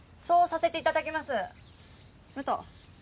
そうさせていただきますムトウ。